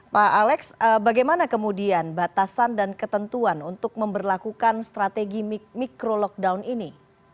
pak alex bagaimana kemudian batasan dan ketentuan untuk memperlakukan strategi micro lockdown ini